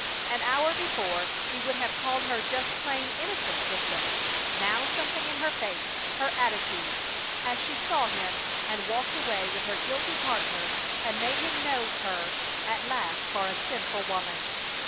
An hour before he would have called her just plain innocent victim. Now something in her face, her attitude, as she saw him and walked away with her guilty partner, had made him know her at last for a sinful woman.